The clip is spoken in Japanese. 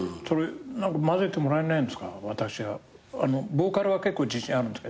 ボーカルは結構自信あるんですけど。